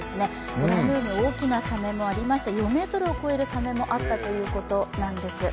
ご覧のように大きなサメもありまして、４ｍを超えるサメもあったということなんです。